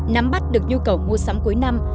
nắm bắt được nhu cầu mua sắm cuối năm